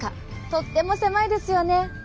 とっても狭いですよね。